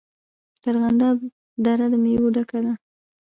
د ارغنداب دره د میوو ډکه ده.